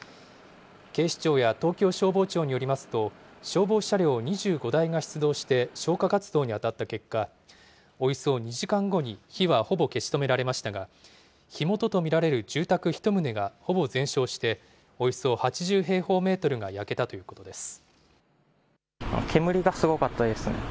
警視庁や東京消防庁によりますと、消防車両２５台が出動して消火活動に当たった結果、およそ２時間後に火はほぼ消し止められましたが、火元と見られる住宅１棟がほぼ全焼して、およそ８０平方メートルが焼けたということです。